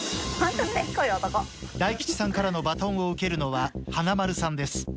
大吉さんからのバトンを受けるのは華丸さんです。